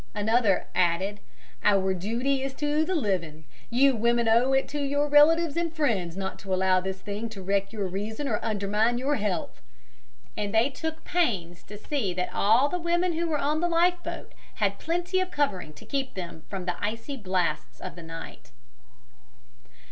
Another added: "Our duty is to the living. You women owe it to your relatives and friends not to allow this thing to wreck your reason or undermine your health." And they took pains to see that all the women who were on the life boat had plenty of covering to keep them from the icy blasts of the night.